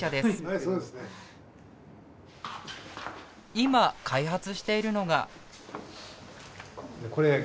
今開発しているのが。